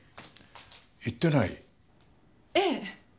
行ってない？ええ。